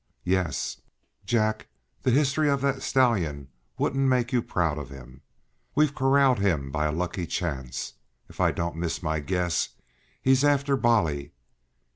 "Yes." "Jack, the history of that stallion wouldn't make you proud of him. We've corralled him by a lucky chance. If I don't miss my guess he's after Bolly.